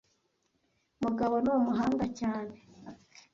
Mugabo ni umuhanga cyane